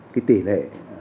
cái tỷ lệ